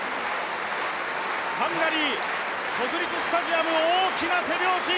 ハンガリー国立スタジアム、大きな手拍子。